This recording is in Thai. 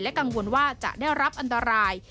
กังวลว่าจะได้รับอันตราย